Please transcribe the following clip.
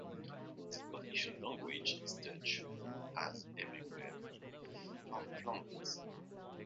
The official language is Dutch, as everywhere in Flanders.